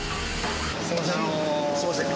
あのすいません